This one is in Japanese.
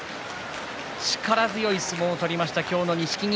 力強い相撲を取りました今日の錦木。